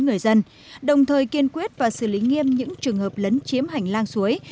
người dân đồng thời kiên quyết và xử lý nghiêm những trường hợp lấn chiếm hành lang suối